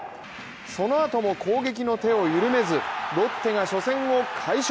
そのあとも攻撃の手を緩めず、ロッテが初戦を快勝。